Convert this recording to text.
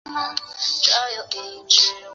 历任大理寺丞。